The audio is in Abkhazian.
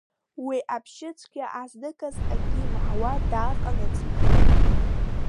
Уи абжьы цәгьа азныказы акгьы имаҳауа дааҟанаҵеит.